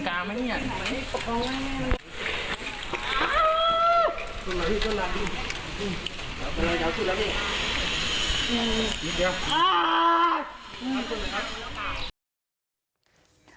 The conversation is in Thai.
ส่วนหลังส่วนหลังเป็นอะไรจะเอาชุดแล้วนี่